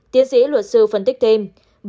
tiến sĩ luật sư phân tích thêm